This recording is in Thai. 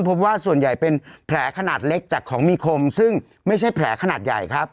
พบว่าส่วนใหญ่เป็นแผลขนาดเล็กจากของมีคมซึ่งไม่ใช่แผลขนาดใหญ่ครับ